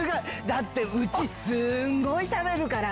だってうち、すごい食べるから。